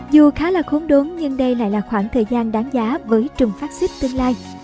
dù khá là khốn đốn nhưng đây lại là khoảng thời gian đáng giá với trường phát xích tương lai